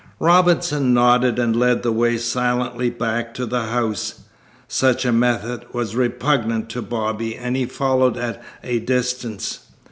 Robinson nodded and led the way silently back to the house. Such a method was repugnant to Bobby, and he followed at a distance.